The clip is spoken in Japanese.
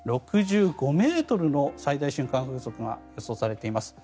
６５ｍの最大瞬間風速が予想されています。